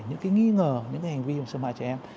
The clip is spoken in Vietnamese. những nghi ngờ những hành vi xâm hại trẻ em